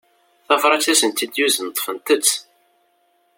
Tabrat i asent-d-tuzen ṭṭfent-tt.